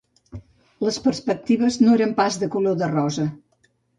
Les perspectives no eren pas de color de rosa